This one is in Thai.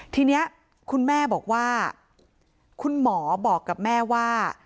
ทีนี้คุณแม่บอกว่าคุณหมอบอกกับแม่ว่า